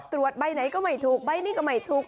ใบไหนก็ไม่ถูกใบนี้ก็ไม่ถูก